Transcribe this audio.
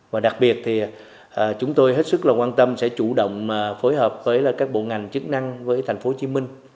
và đặc biệt thì chúng tôi hết sức quan tâm sẽ chủ động phối hợp với các bộ ngành chức năng với tp hcm